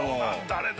誰だ？